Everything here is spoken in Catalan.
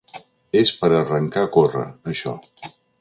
És per arrencar a córrer això.